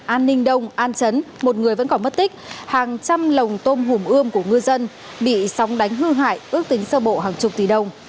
an ninh đông an chấn một người vẫn còn mất tích hàng trăm lồng tôm hùm ươm của ngư dân bị sóng đánh hư hại ước tính sơ bộ hàng chục tỷ đồng